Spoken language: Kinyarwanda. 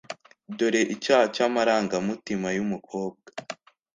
Dore Icyaha cyamarangamutima yumukobwa